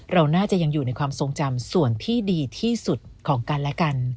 เราน่าจะยังอยู่ในความทรงจำส่วนที่ดีที่สุดของกันและกัน